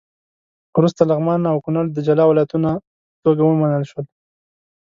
وروسته لغمان او کونړ د جلا ولایتونو په توګه ومنل شول.